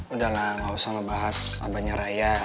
udah lah gak usah ngebahas abahnya raya